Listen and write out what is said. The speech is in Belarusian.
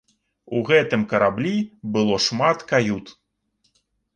У гэтым караблі было шмат кают.